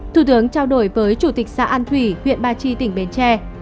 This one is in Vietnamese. thủ tướng trao đổi với chủ tịch xã an thủy huyện ba chi tỉnh bến tre